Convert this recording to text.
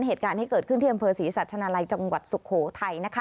เหตุการณ์ที่เกิดขึ้นที่อำเภอศรีสัชนาลัยจังหวัดสุโขทัยนะคะ